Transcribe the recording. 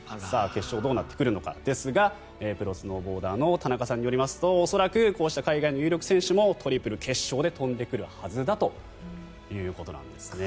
決勝、どうなってくるのかですがプロスノーボーダーの田中さんによりますと恐らくこうした海外の有力選手もトリプルを決勝で飛んでくるはずだということです。